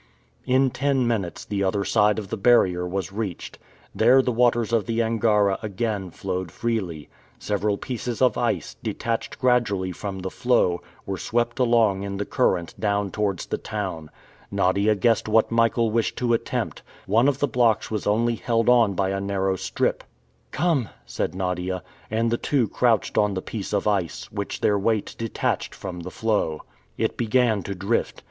In ten minutes, the other side of the barrier was reached. There the waters of the Angara again flowed freely. Several pieces of ice, detached gradually from the floe, were swept along in the current down towards the town. Nadia guessed what Michael wished to attempt. One of the blocks was only held on by a narrow strip. "Come," said Nadia. And the two crouched on the piece of ice, which their weight detached from the floe. It began to drift.